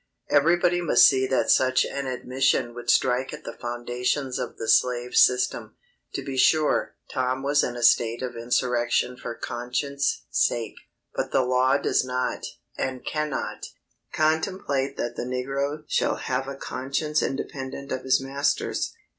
Everybody must see that such an admission would strike at the foundations of the slave system. To be sure, Tom was in a state of insurrection for conscience' sake. But the law does not, and cannot, contemplate that the negro shall have a conscience independent of his master's.